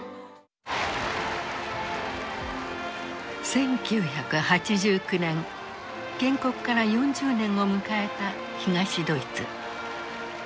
１９８９年建国から４０年を迎えた東ドイツ。